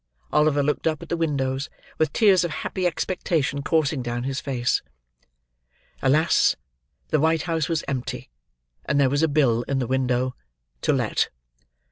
Oliver looked up at the windows, with tears of happy expectation coursing down his face. Alas! the white house was empty, and there was a bill in the window. "To Let."